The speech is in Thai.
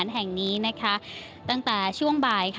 แห่งนี้ตั้งแต่ช่วงบ่าย